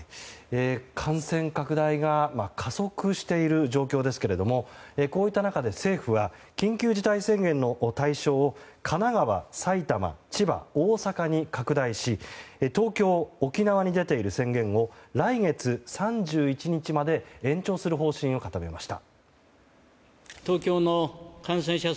感染拡大が加速している状況ですがこういった中で政府が緊急事態宣言の対象を神奈川、埼玉、千葉、大阪に拡大し東京、沖縄に出ている宣言を来月３１日まで延長する方針を固めました。